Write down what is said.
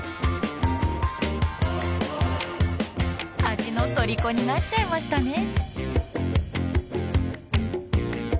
味のとりこになっちゃいましたね。